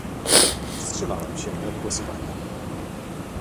Wstrzymałem się od głosowania